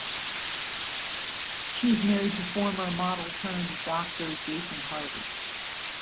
She is married to former model-turned-doctor Jason Harvey.